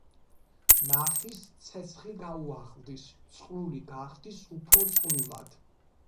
ნახის, ცეცხლი გაუახლდის, წყლული გახდის უფრო წყლულად.